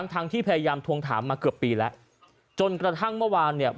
ทั้งที่พยายามทวงถามมาเกือบปีแล้วจนกระทั่งเมื่อวานเนี่ย